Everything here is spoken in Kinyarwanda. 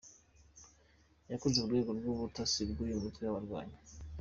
Yakoze mu rwego rw’ubutasi bw’uyu mutwe w’abarwanyi.